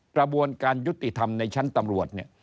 กระบวนการยุติธรรมในชั้นตำรวจเนี่ย